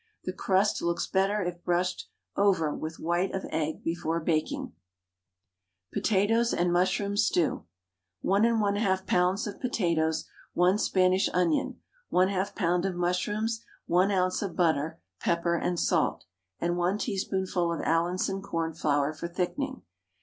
The crust looks better if brushed over with white of egg before baking. POTATOES AND MUSHROOM STEW. 1 1/2 lbs. of potatoes, 1 Spanish onion, 1/2 lb. of mushrooms, 1 oz. of butter, pepper and salt, and 1 teaspoonful of Allinson cornflour for thickening.